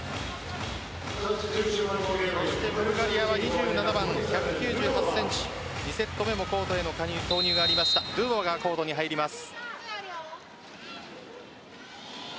そしてブルガリアは２７番１９８ｃｍ２セット目もコートへの投入がありましたドゥドバがコートに入ります。